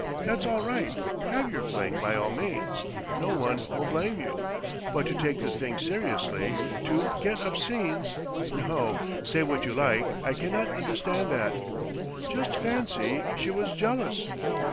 That's all right, have your fling by all means no one will blame you, but to take the thing seriously, to get up scenes ... no, say what you like, I cannot understand that! Just fancy, she was jealous!